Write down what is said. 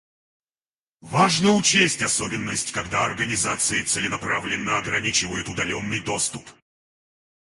Важно учесть особенность, когда организации целенаправленно ограничивают удаленный доступ